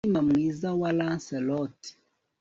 Umutima mwiza wa Lancelot